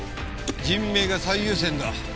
人命が最優先だ。